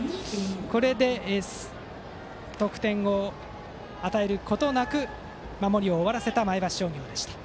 これで得点を与えることなく守りを終わらせた前橋商業。